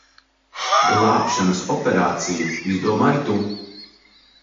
Glābšanas operāciju izdomāji tu.